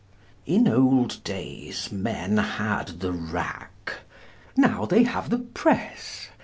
In old days men had the rack. Now they have the press.